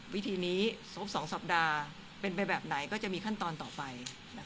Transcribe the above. วิธีนี้ครบ๒สัปดาห์เป็นไปแบบไหนก็จะมีขั้นตอนต่อไป